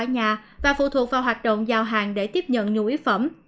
nhận nhu yếu phẩm